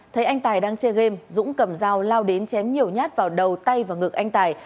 thấy anh tài đang chơi game dũng cầm dao lao đến chém nhiều nhát vào đầu tay và ngực anh tài